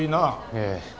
ええ。